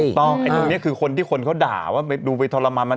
ไอ้ตรงนี้คือคนที่คนเขาด่าว่าไปดูไปทรมานมัน